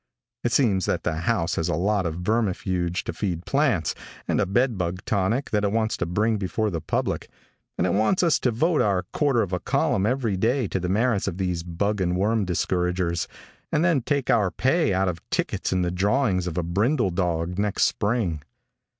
It seems that the house has a lot of vermifuge to feed plants, and a bedbug tonic that it wants to bring before the public, and it wants us to devote a quarter of a column every day to the merits of these bug and worm discouragers, and then take our pay out of tickets in the drawing of a brindle dog next spring.